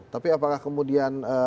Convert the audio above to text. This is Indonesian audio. tapi apakah kemudian